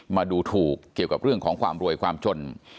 มาดูถูกเกี่ยวกับเรื่องของความรวยความจน